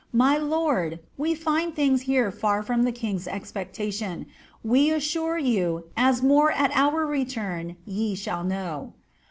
My lord, we found things here far from the king's expectation, we assure you, as more at our return ye shall know.